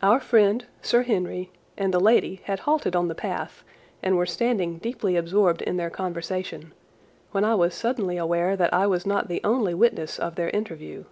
Our friend, Sir Henry, and the lady had halted on the path and were standing deeply absorbed in their conversation, when I was suddenly aware that I was not the only witness of their interview.